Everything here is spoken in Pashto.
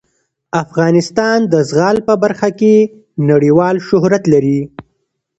افغانستان د زغال په برخه کې نړیوال شهرت لري.